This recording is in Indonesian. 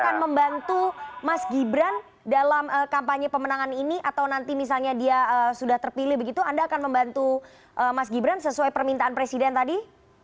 akan membantu mas gibran dalam kampanye pemenangan ini atau nanti misalnya dia sudah terpilih begitu anda akan membantu mas gibran sesuai permintaan presiden tadi